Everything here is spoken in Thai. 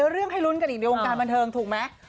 เรื่องให้ลุ้นกันอีกในวงการบันเทิงถูกไหม